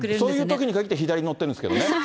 そういうときに限って、左乗ってるんですけどね。